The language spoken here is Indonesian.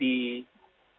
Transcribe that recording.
itu juga ada acara